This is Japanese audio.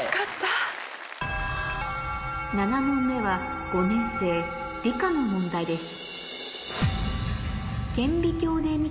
７問目は５年生理科の問題です